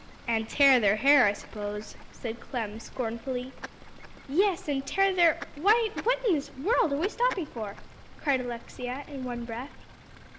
"And tear their hair, I suppose," said Clem scornfully. "Yes, and tear their why, what in this world are we stopping for?" cried Alexia in one breath.